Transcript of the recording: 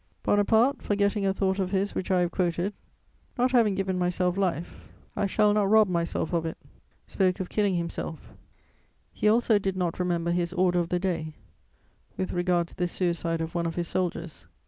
] Bonaparte, forgetting a thought of his which I have quoted ("not having given myself life, I shall not rob myself of it"), spoke of killing himself; he also did not remember his "order of the day" with regard to the suicide of one of his soldiers.